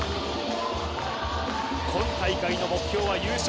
この大会の目標は優勝